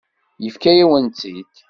Yefka-yawen-tt-id.